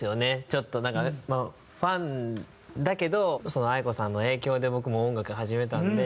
ちょっとなんかファンだけどａｉｋｏさんの影響で僕も音楽始めたんで。